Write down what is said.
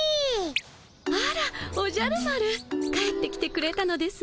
あらおじゃる丸帰ってきてくれたのですね。